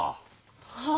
はあ。